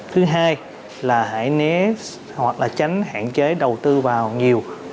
thứ hai là hãy né hoặc là tránh hạn chế đầu tư vào nhiều